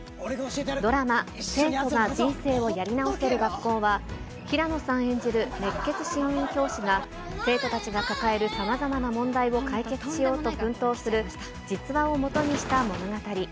ドラマ、生徒が人生をやり直せる学校は、平野さん演じる熱血新任教師が、生徒たちが抱えるさまざまな問題を解決しようと奮闘する実話をもとにした物語。